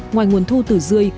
ngoài nguồn thu từ dươi